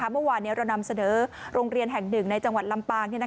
เมื่อวานเรานำเสนอโรงเรียนแห่งหนึ่งในจังหวัดลำปาง